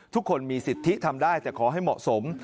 ทุกคนมีสิทธิทำได้แต่ขอให้เหมาะสม